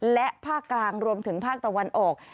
และภาคกลางรวมถึงภาคตะวันออก